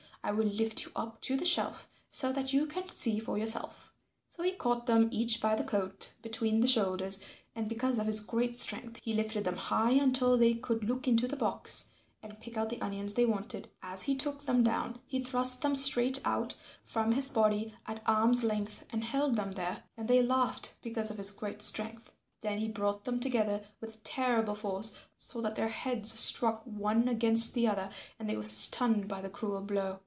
I will lift you up to the shelf so that you can see for yourselves." So he caught them each by the coat between the shoulders, and because of his great strength he lifted them high until they could look into the box and pick out the onions they wanted. As he took them down he thrust them straight out from his body at arm's length and held them there and they laughed because of his great strength. Then he brought them together with terrible force so that their heads struck one against the other and they were stunned by the cruel blow.